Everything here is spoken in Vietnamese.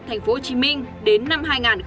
thành phố hồ chí minh đến năm hai nghìn hai mươi